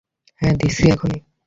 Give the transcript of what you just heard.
হ্যাঁঁ দিচ্ছি এখনি।